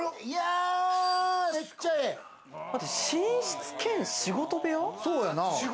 寝室兼仕事部屋？